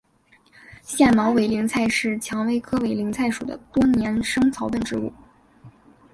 腺毛委陵菜是蔷薇科委陵菜属的多年生草本植物。